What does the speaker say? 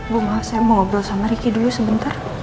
gue maaf saya mau ngobrol sama ricky dulu sebentar